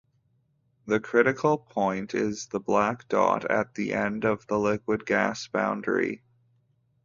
The critical point is the black dot at the end of the liquid-gas boundary.